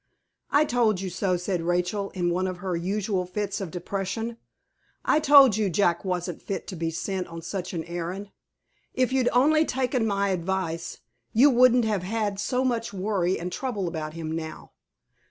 "I told you so," said Rachel, in one of her usual fits of depression. "I told you Jack wasn't fit to be sent on such an errand. If you'd only taken my advice, you wouldn't have had so much worry and trouble about him now.